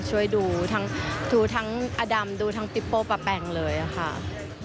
ช่วยดูทั้งทูทั้งอดำดูทั้งปิโป้ปะแปงเลยค่ะ